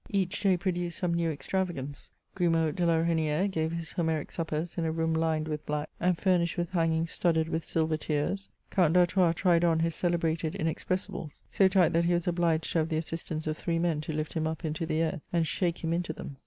Each day produced some new extravagance. Qrimod de la Reynifere gave his Homeric suppers in a room lined vdth black, and furnished with hangings studded with silver tears. Count d' Artois tried on his celebrated inexpressibles, so tight that he was obUged to have the assistance of three men to lift him up into the air and shake him into them.